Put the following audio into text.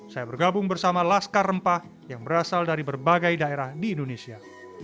saya bergabung bersama laskar rempah yang berasal dari berbagai daerah di indonesia